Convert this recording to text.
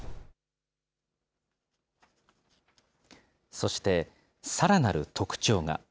そして、さらなる特徴が。